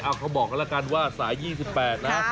เขาบอกกันแล้วกันว่าสาย๒๘นะ